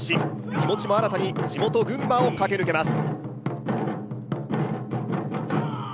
気持ちも新たに地元・群馬を駆け抜けます。